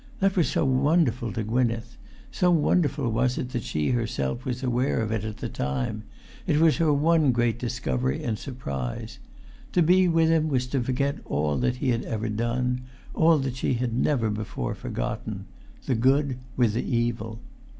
That was so wonderful to Gwynneth! So wonderful was it that she herself was aware of it at the time; it was her one great discovery and surprise. To be with him was to forget all that he had ever done, all that she had never before forgotten—the good with the evil.